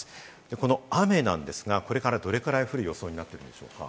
この雨なんですが、これからどれくらい降る予想になっていますか？